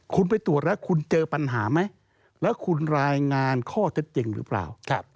คุณไปตรวจแล้วคุณเจอปัญหาไหมแล้วคุณรายงานข้อเท็จจริงหรือเปล่า